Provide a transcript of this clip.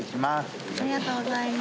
ありがとうございます。